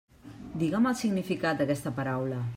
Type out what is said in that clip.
Digue'm el significat d'aquesta paraula.